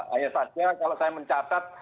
hanya saja kalau saya mencatat